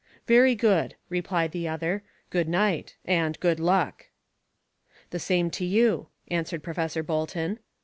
"Very good," replied the other. "Good night and good luck." "The same to you," answered Professor Bolton.